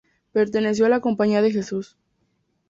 Perteneció a la Compañía de Jesús.